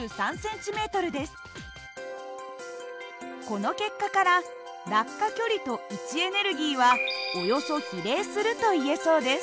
この結果から落下距離と位置エネルギーはおよそ比例するといえそうです。